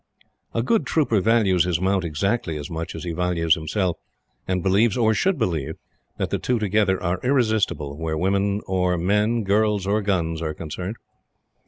A good trooper values his mount exactly as much as he values himself, and believes, or should believe, that the two together are irresistible where women or men, girl's or gun's, are concerned.